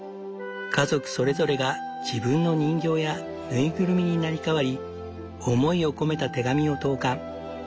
家族それぞれが自分の人形や縫いぐるみに成り代わり思いを込めた手紙を投かん。